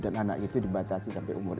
dan anak itu dibatasi sampai umur